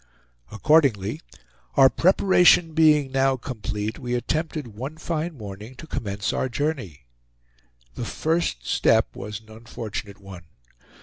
Accordingly, our preparation being now complete, we attempted one fine morning to commence our journey. The first step was an unfortunate one.